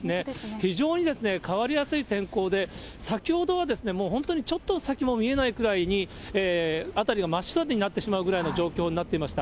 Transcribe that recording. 非常に変わりやすい天候で、先ほどはもう本当にちょっと先も見えないくらいに辺りが真っ白になってしまうぐらいの状況になっていました。